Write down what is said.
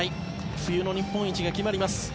冬の日本一が決まります。